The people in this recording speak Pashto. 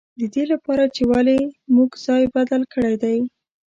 د دې له پاره چې ولې موږ ځای بدل کړی دی.